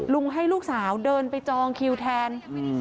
ให้ลูกสาวเดินไปจองคิวแทน